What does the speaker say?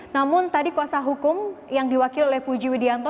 namun tadi kuasa hukum yang diwakili oleh puji widianto